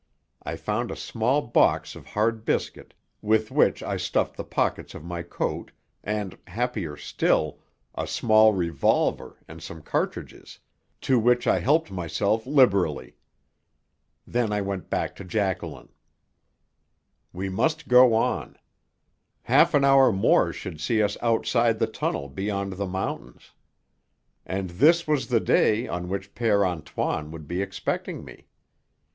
I found a small box of hard biscuit, with which I stuffed the pockets of my coat, and, happier still, a small revolver and some cartridges, to which I helped myself liberally. Then I went back to Jacqueline. We must go on. Half an hour more should see us outside the tunnel beyond the mountains. And this was the day on which Père Antoine would be expecting me.